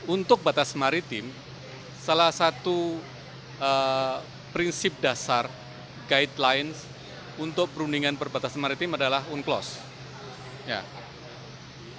untuk batas maritim salah satu prinsip dasar guidelines untuk perundingan perbatasan maritim adalah unclosed